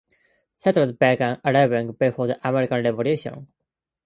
Settlers began arriving before the American Revolution.